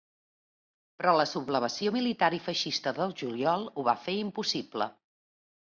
Però la sublevació militar i feixista del juliol ho va fer impossible.